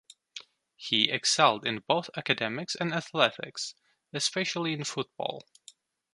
He excelled in both academics and athletics, especially in football.